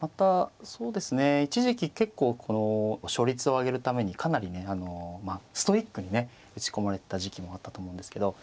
またそうですね一時期結構勝率を上げるためにかなりねストイックに打ち込まれてた時期もあったと思うんですけど。